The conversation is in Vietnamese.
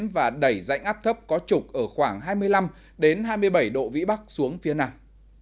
và đẩy dạnh áp thấp có trục ở khoảng hai mươi năm hai mươi bảy độ vĩ bắc xuống phía nam